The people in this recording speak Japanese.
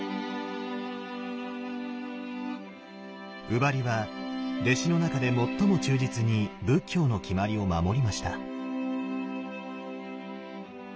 優婆離は弟子の中で最も忠実に仏教の決まりを守りました。